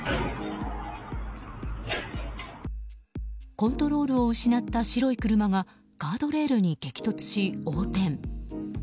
コントロールを失った白い車がガードレールに激突し、横転。